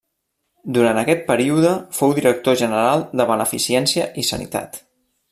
Durant aquest període fou Director General de Beneficència i Sanitat.